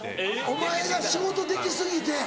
お前が仕事でき過ぎて？